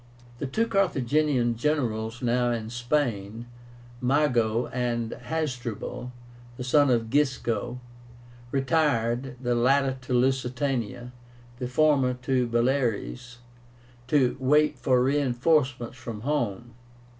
The two Carthaginian generals now in Spain, Mago, and Hasdrubal, the son of Gisco, retired, the latter to Lusitania, the former to the Baleares, to wait for reinforcements from home.